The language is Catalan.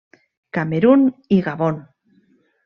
Camerun i Gabon.